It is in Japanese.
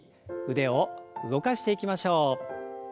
腕を動かしていきましょう。